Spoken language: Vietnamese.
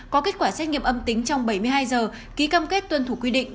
có kết quả xét nghiệm âm tính trong bảy mươi hai giờ ký cam kết tuân thủ quy định